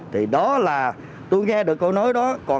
thì đó là tôi nghe được câu nói đó